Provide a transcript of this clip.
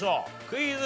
クイズ。